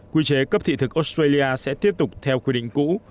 quy chế cấp thị thực australia sẽ tiếp tục theo quy định cũ